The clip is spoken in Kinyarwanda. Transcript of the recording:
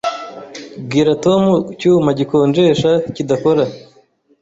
Bwira Tom icyuma gikonjesha kidakora.